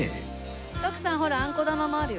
徳さんほらあんこ玉もあるよ。